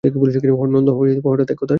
নন্দ হঠাৎ একথার জবাব দিতে পারিল না।